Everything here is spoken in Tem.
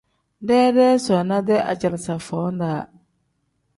Deedee soona-dee ajalaaza foo -daa.